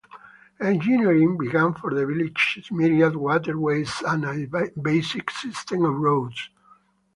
Engineering began for the village's myriad waterways and a basic system of roads.